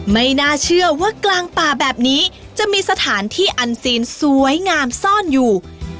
ไม่น่าเชื่อว่ากลางป่าแบบนี้จะมีสถานที่อันซีนสวยงามซ่อนอยู่